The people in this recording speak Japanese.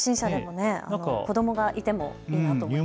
子どもがいてもいいなと思いますね。